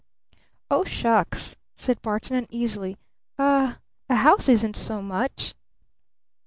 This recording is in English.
"Oh, shucks!" said Barton uneasily. "A a house isn't so much!"